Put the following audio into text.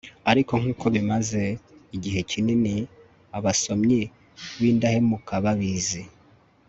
Ariko nkuko bimaze igihe kinini abasomyi bindahemuka babizi